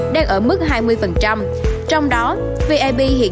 đang ở mức hai mươi trong đó vib hiện dẫn đại diện